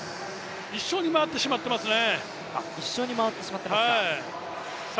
一緒に回ってしまっていますね。